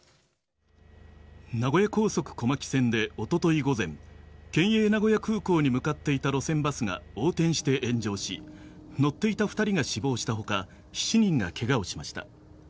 名古屋高速小牧線でおととい午前県営名古屋空港に向かっていた路線バスが横転して炎上し乗っていた２人が死亡した他７人がケガをしました。